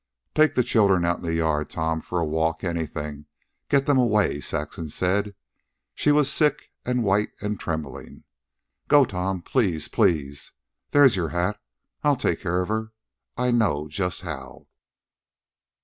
"Take the children out in the yard, Tom, for a walk, anything get them away," Saxon said. She was sick, and white, and trembling. "Go, Tom, please, please. There's your hat. I'll take care of her. I know just how."